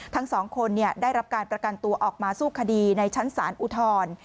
ทั้งสองคนได้รับการประกันตัวออกมาสู้คดีในชั้นศาลอุทร